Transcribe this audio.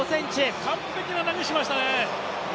今は完璧な投げしましたね。